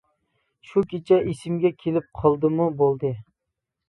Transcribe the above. شۇ كېچە ئېسىمگە كېلىپ قالدىمۇ بولدى.